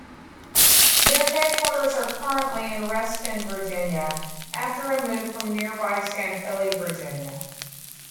Their headquarters are currently in Reston, Virginia after a move from nearby Chantilly, Virginia.